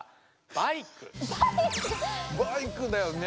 バイクだよね。